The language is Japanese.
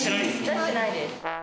出してないです。